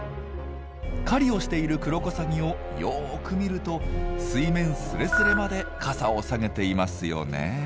狩りをしているクロコサギをよく見ると水面スレスレまで傘を下げていますよね。